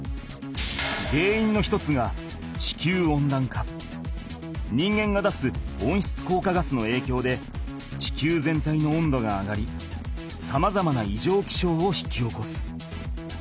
げんいんの一つが人間が出すおんしつこうかガスのえいきょうで地球全体の温度が上がりさまざまないじょうきしょうを引き起こす。